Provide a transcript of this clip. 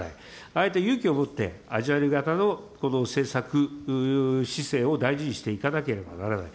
あえて勇気を持ってアジャイル型の政策姿勢を大事にしていかなければならない。